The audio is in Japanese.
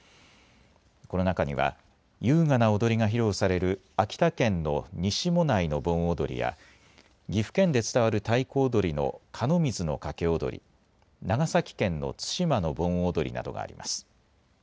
この中には優雅な踊りが披露される秋田県の西馬音内の盆踊や、岐阜県で伝わる太鼓踊りの寒水の掛踊、長崎県の対馬の盆踊などがあります。